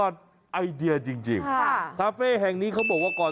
ไปร้านกาแฟก่อนคุณ